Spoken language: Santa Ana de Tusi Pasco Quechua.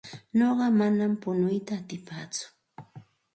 Nuqa manam punuyta atipaatsu.